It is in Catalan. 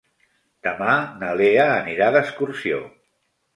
Demà na Lea anirà d'excursió.